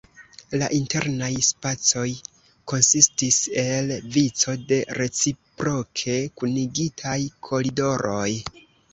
La internaj spacoj konsistis el vico de reciproke kunigitaj koridoroj.